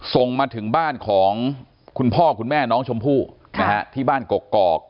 ส่งมาถึงบ้านของคุณพ่อคุณแม่น้องชมพู่นะฮะที่บ้านกกอก